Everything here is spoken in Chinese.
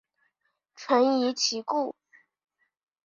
臣疑其故。